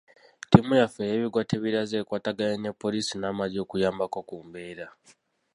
Ttiimu yaffe ey’ebigwa tebiraze ekwataganye ne poliisi n’amagye okuyambako ku mbeera.